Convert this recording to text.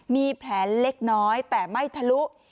มีแผลเล็กน้อยแต่ไม่ทะลุ